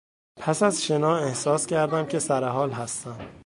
پس از شنا احساس کردم که سرحال هستم.